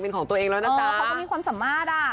เป็นของตัวเองแล้วนะจ๊ะ